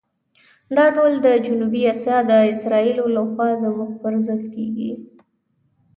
دا ټول د جنوبي آسیا د اسرائیلو لخوا زموږ پر ضد کېږي.